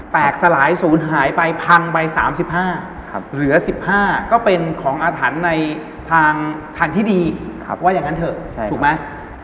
สลายศูนย์หายไปพังไป๓๕เหลือ๑๕ก็เป็นของอาถรรพ์ในทางที่ดีว่าอย่างนั้นเถอะถูกไหม